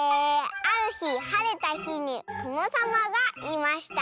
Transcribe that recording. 「あるひはれたひにとのさまがいました」。